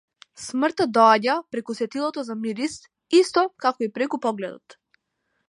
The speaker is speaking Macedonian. Смртта доаѓа преку сетилото за мирис исто како и преку погледот.